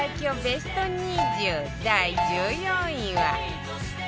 ベスト２０第１４位は